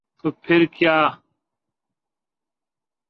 تو پھر کیا؟